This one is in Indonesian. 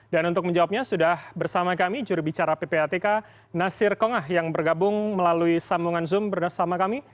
dan untuk menjawabnya sudah bersama kami jurubicara ppatk nasir kongah yang bergabung melalui sambungan zoom bersama kami